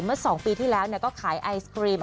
เมื่อ๒ปีที่แล้วก็ขายไอศครีม